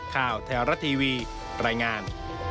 ข่าวแท้รัฐทีวีรายงาน